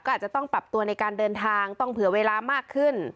ก็อาจจะต้องปรับตัวในการเดินทางต้องเผื่อเวลามากขึ้น